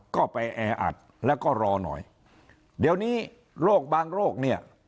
ก็ไปแออัดแล้วก็รอหน่อยเดี๋ยวนี้โรคบางโรคเนี่ย